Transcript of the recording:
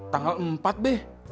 tanggal empat be